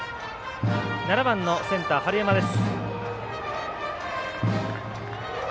７番のセンター春山です。